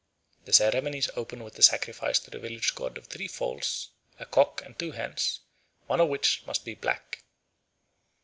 The ceremonies open with a sacrifice to the village god of three fowls, a cock and two hens, one of which must be black.